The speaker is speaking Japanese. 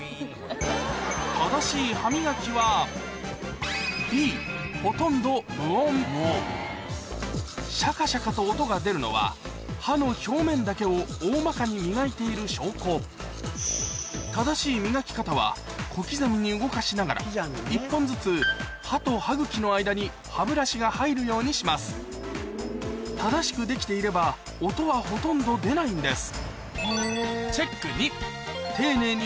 正しい歯磨きはシャカシャカと音が出るのは歯の表面だけを大まかに磨いている証拠正しい磨き方は小刻みに動かしながら１本ずつ歯と歯茎の間に歯ブラシが入るようにします正しくできていれば音はほとんど出ないんです